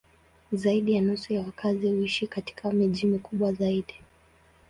Zaidi ya nusu ya wakazi huishi katika miji mikubwa zaidi.